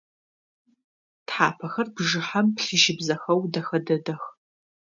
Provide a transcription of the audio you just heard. Тхьапэхэр бжыхьэм плъыжьыбзэхэу дэхэ дэдэх.